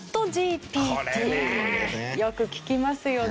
よく聞きますよね。